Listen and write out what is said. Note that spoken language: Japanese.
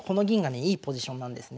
いいポジションなんですね。